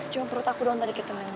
cuma perut aku doang tadi ketinggalan